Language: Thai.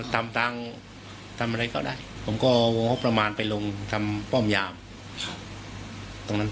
ตามแต่มีไรก็ได้ผมก็วงหกประมาณไปลงทำป้อมยามตรงนั้น